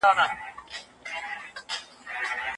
پوهه د ژوند تر ټولو ستره رڼا ده.